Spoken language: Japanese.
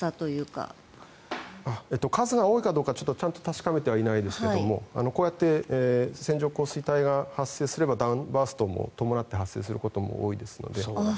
数が多いかどうかはちゃんと確かめてはいないですが線状降水帯が発生すればダウンバーストも伴って発生することも多いですので。